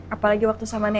apalagi waktu sama neneng